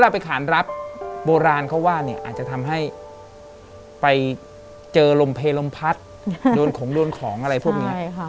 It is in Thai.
อเรนนี่อเรนนี่อเรนนี่อเรนนี่